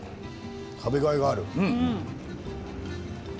食べがいがある。